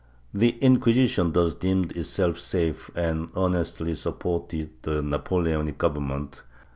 ^ The Inquisition thus deemed itself safe and earnestly supported the Napoleonic government.